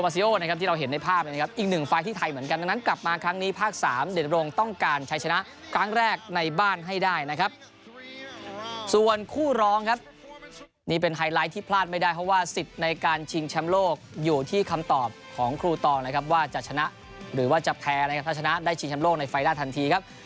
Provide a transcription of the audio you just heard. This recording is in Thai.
ส่วนคู่ร้องครับนี่เป็นไฮไลท์ที่พลาดไม่ได้เพราะว่าสิทธิ์ในการชิงแชมป์โลกอยู่ที่คำตอบของครูตองนะครับว่าจะชนะหรือว่าจะแพ้นะครับถ้าชนะได้ชิงชำโลกในไฟล์หน้าทันทีครับ